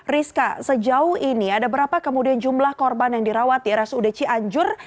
rizka sejauh ini ada berapa kemudian jumlah korban yang dirawat di rsud cianjur